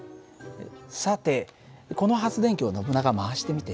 さてこの発電機をノブナガ回してみて。